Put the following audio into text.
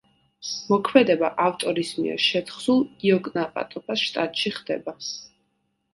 მოქმედება ავტორის მიერ შეთხზულ იოკნაპატოფას შტატში ხდება.